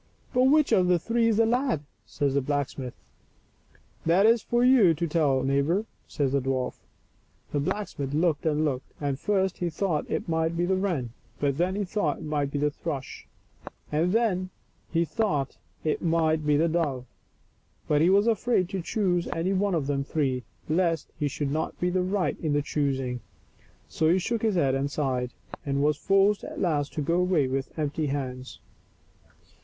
" But which of the three is the lad?" says the blacksmith. " That is for you to tell, neighbor," says the dwarf. The blacksmith looked and looked, and first he thought it might be the wren, and then he thought it might be the thrush, and then he thought it might be the dove. But he was afraid to choose any one of the three, lest he should not be right in the choosing. So he shook his head and sighed, and was forced at last to go away with empty hands.